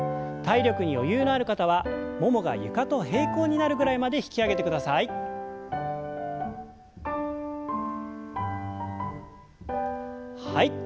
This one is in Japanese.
体力に余裕のある方はももが床と平行になるぐらいまで引き上げてください。